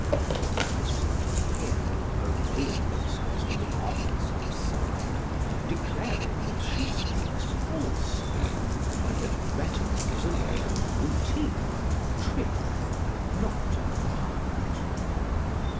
But I seem to hear them arraying themselves on the opposite side, declaring that she speaks falsely, and that rhetoric is a mere routine and trick, not an art.